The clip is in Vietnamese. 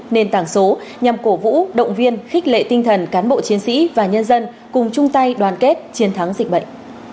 nền tảng số nhằm cổ vũ động viên khích lệ tinh thần cán bộ chiến sĩ và nhân dân cùng chung tay đoàn kết chiến thắng dịch bệnh